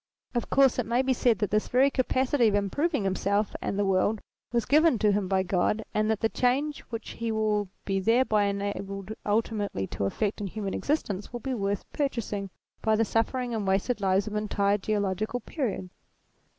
Of course it may be said that this very capacity of improving himself and the world was given to him by God, and that the change which he will be thereby enabled ultimately to effect in human existence will be worth purchasing by the sufferings and wasted lives of entire geolo gical periods.